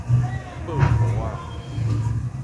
播箍仔